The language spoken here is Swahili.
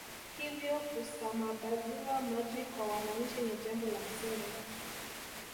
Hivyo kusamabaziwa maji kwa wananchi ni jambo la msingi